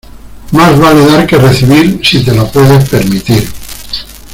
Más vale dar que recibir, si te lo puedes permitir.